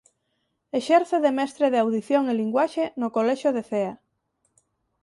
Exerce de mestre de Audición e Linguaxe no colexio de Cea.